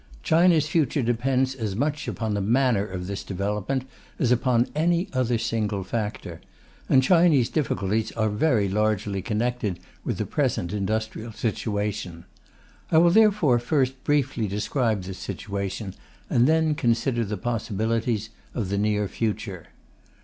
China's future depends as much upon the manner of this development as upon any other single factor; and China's difficulties are very largely connected with the present industrial situation. I will therefore first briefly describe this situation, and then consider the possibilities of the near future.